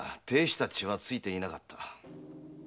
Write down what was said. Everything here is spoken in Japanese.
たいした血は付いていなかった。